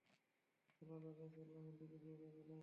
রাসূল সাল্লাল্লাহু আলাইহি ওয়াসাল্লাম তার দিকে ফিরে তাকালেন।